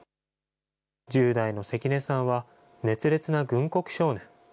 １０代の関根さんは、熱烈な軍国少年。